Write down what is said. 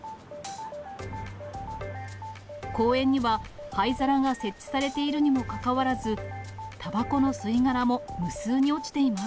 公園には、灰皿が設置されているにもかかわらず、たばこの吸い殻も無数に落ちています。